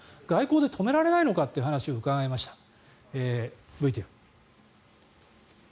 外交で止められないのかという話を伺いました。